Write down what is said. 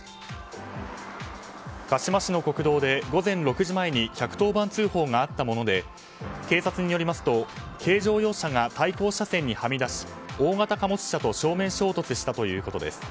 鹿嶋市の国道で午前６時前に１１０番通報があったもので警察によりますと軽乗用車が対向車線にはみ出し大型貨物車と正面衝突したということです。